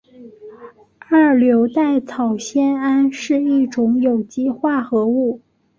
二硫代草酰胺是一种有机化合物。